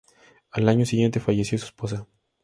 Al año siguiente falleció su esposa.